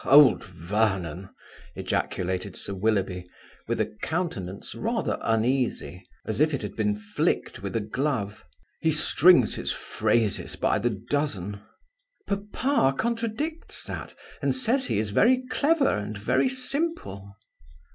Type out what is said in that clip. "Old Vernon!" ejaculated Sir Willoughby, with a countenance rather uneasy, as if it had been flicked with a glove. "He strings his phrases by the dozen." "Papa contradicts that, and says he is very clever and very simple."